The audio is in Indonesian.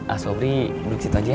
asobri duduk situ aja ya